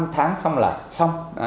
theo năm tháng xong là xong